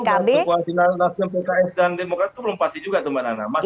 koalisi nasdem pks dan demokrat itu belum pasti juga teman teman